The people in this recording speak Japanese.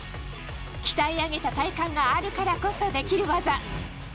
鍛え上げた体幹があるからこそできる技。